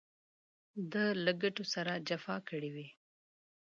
زه له ګټو سره جفا کړې وي.